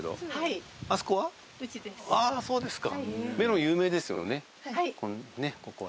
あそうですか。